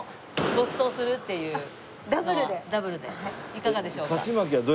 いかがでしょうか？